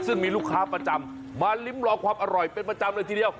ซึ่งมีลูกค้าประจำมาลิ้มลองความอร่อยเป็นประจำเลยทีเดียว